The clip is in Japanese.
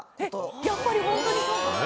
やっぱりホントにそう。